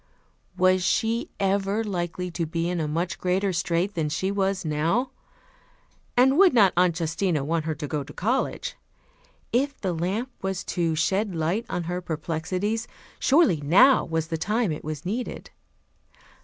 Was she ever likely to be in a much greater strait than she was now? And would not Aunt Justina want her to go to college? If the lamp was to shed light on her perplexities, surely now was the time it was needed.